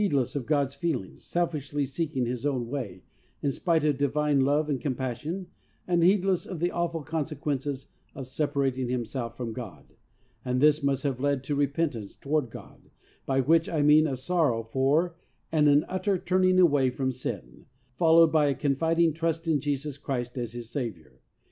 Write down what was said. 5 less of God's feelings, selfishly seeking his own way in spite of divine love and com passion, and heedless of the awful conse quences of separating himself from God, and this must have led to repentance toward God, by which I mean a sorrow for and an utter turning away from sin, followed by a confiding trust in Jesus Christ as his Saviour.